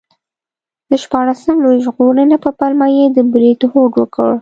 د شپاړسم لویي ژغورنې په پلمه یې د برید هوډ وکړ.